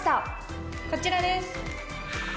こちらです。